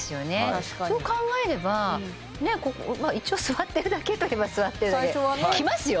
確かにそう考えればね一応座ってるだけといえば座ってるだけきますよ！